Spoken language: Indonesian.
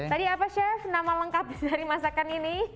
tadi apa chef nama lengkap dari masakan ini